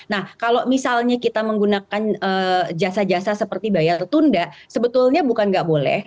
nah kalau misalnya kita menggunakan jasa jasa seperti bayar tunda sebetulnya bukan nggak boleh